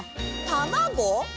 たまご？